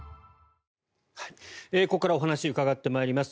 ここからお話伺ってまいります。